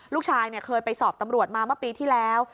ลูกชายเคยไปสอบตำรวจมาเมื่อปีที่แล้ว